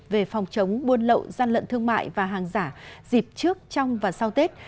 về phòng chống buôn lậu gian lận thương mại và hàng giả dịp trước trong và sau tết